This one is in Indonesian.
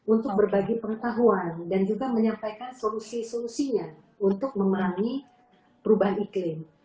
untuk berbagi pengetahuan dan juga menyampaikan solusi solusinya untuk menangani perubahan iklim